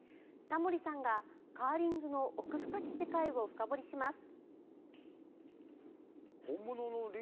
タモリさんがカーリングの奥深き世界を深掘りします。